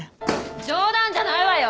冗談じゃないわよ！